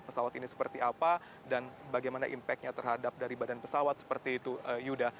pesawat ini seperti apa dan bagaimana impactnya terhadap dari badan pesawat seperti itu yuda